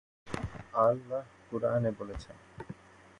আল্লাহ কুরআনে বলেছেন-